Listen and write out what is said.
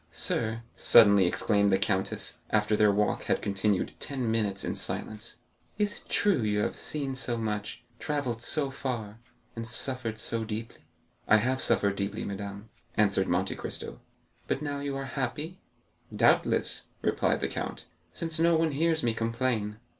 "Sir," suddenly exclaimed the countess, after their walk had continued ten minutes in silence, "is it true that you have seen so much, travelled so far, and suffered so deeply?" "I have suffered deeply, madame," answered Monte Cristo. "But now you are happy?" "Doubtless," replied the count, "since no one hears me complain."